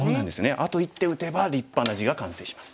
あと１手打てば立派な地が完成します。